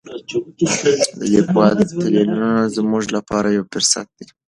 د لیکوالو تلینونه زموږ لپاره یو فرصت دی.